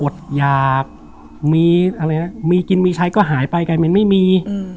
อดยากมีกินมีใช้ก็หายไปแก่เม้นไม่มี